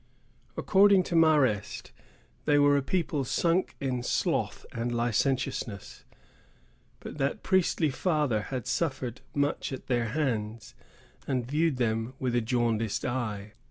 According to Marest, they were a people sunk in sloth and licentiousness; but that priestly father had suffered much at their hands, and viewed them with a jaundiced eye.